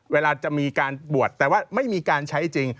เวลาจะมีการบวชแต่ว่าไม่มีการใช้จริง